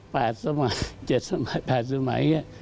สมัยเจ็ดสมัยแปดสมัย